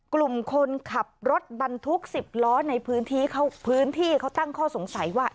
กลุ่มคนขับรถบรรทุก๑๐ล้อในพื้นที่เขาตั้งข้อสงสัยว่า